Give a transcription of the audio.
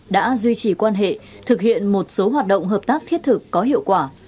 đã duy trì quan hệ thực hiện một số hoạt động hợp tác thiết thực có hiệu quả